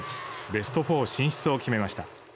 ベスト４進出を決めました。